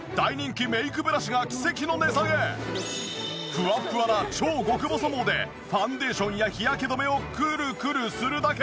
フワフワな超極細毛でファンデーションや日焼け止めをくるくるするだけ！